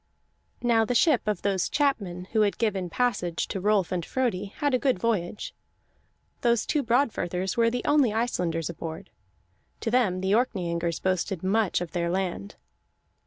Now the ship of those chapmen who had given passage to Rolf and Frodi had a good voyage; those two Broadfirthers were the only Icelanders aboard. To them the Orkneyingers boasted much of their land.